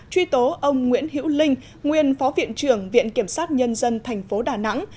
truy tố ông nguyễn hiễu linh nguyên phó viện trưởng viện kiểm sát nhân dân tp đà nẵng